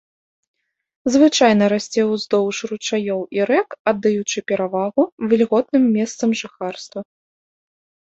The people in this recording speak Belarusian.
Звычайна расце ўздоўж ручаёў і рэк, аддаючы перавагу вільготным месцам жыхарства.